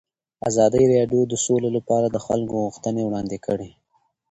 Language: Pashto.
ازادي راډیو د سوله لپاره د خلکو غوښتنې وړاندې کړي.